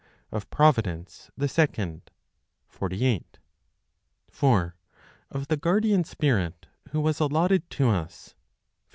Of Providence, the Second, 48. 4. Of the Guardian Spirit who was Allotted to Us, 15.